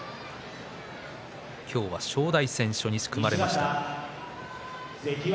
今日は正代戦初日、組まれました。